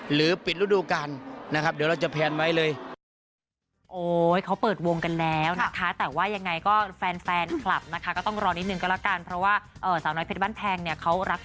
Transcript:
หรือปิดฤดูการนะครับเดี๋ยวเราจะแพลนไว้เลย